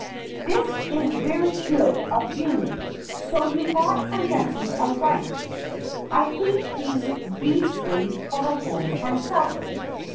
This is very good of you. So you got my message all right I hate these beastly telephones myself.